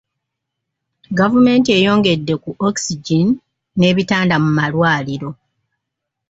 Gavumenti eyongedde ku Ogygen n’ebitanda mu malwaliro.